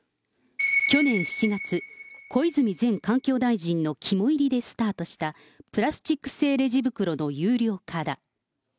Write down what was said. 去年７月、小泉前環境大臣の肝いりでスタートした、プラスチック製レジ袋の有料化だ。